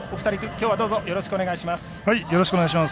きょうはどうぞよろしくお願いします。